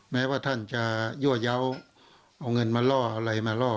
แม้ว่าท่านจะยั่วเยาว์เอาเงินมาล่ออะไรมาล่อ